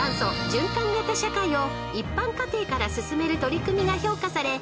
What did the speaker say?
循環型社会を一般家庭から進める取り組みが評価され奨励賞を受賞しました］